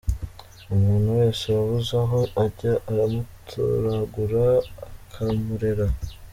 Umuntu wese wabuze aho ajya aramutoragura akamurera.